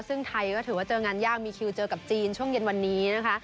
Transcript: ซึ่งไทยก็ถือว่าเจองานยากมีคิวเจอกับจีนช่วงเย็นวันนี้นะคะ